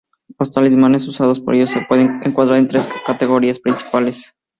Los talismanes usados por ellos se pueden encuadrar en tres categorías principales.